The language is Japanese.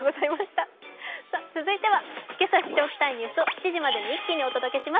続いては、けさ知っておきたいニュースを７時までに一気にお届けします。